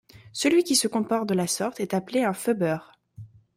Celui qui se comporte de la sorte est appelé un phubber.